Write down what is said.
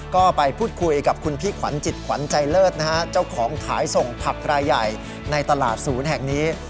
ก็ไปพูดคุยกับคุณพี่ขวัญจิตขวัญใจเลิศนะฮะเจ้าของขายส่งผักรายใหญ่ในตลาดศูนย์แห่งนี้